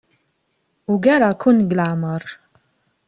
Ugareɣ-ken deg leɛmeṛ.